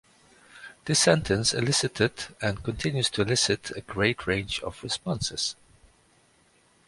This sentence elicited and continues to elicit a great range of responses.